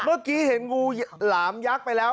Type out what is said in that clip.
เมื่อกี้เห็นงูหลามยักษ์ไปแล้ว